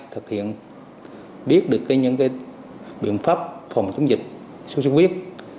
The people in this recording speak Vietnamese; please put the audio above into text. thực hiện biết được những biện pháp phòng chống dịch sốt xuất huyết